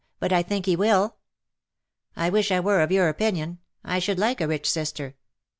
But I think he " I wish I were of your opinion. I should like a rich sister.